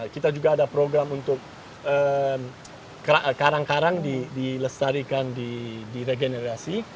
kita juga ada program untuk karang karang dilestarikan di regenerasi